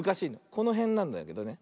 このへんなんだけどね。